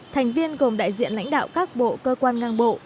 thành viên gồm đại diện lãnh đạo các bộ cơ quan ngang bộ